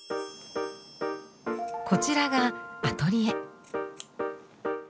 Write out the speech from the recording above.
こちらがアトリエ。